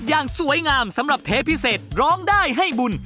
อย่างสวยงามสำหรับเทพิเศษร้องได้ให้บุญ